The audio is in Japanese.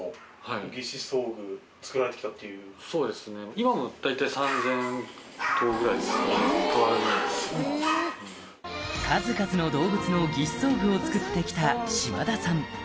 こちらが数々の動物の義肢装具を作って来た島田さん